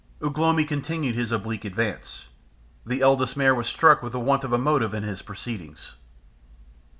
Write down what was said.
Ugh lomi continued his oblique advance. The Eldest Mare was struck with the want of motive in his proceedings.